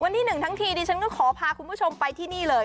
ที่หนึ่งทั้งทีดิฉันก็ขอพาคุณผู้ชมไปที่นี่เลย